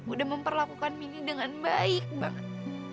udah memperlakukan mini dengan baik banget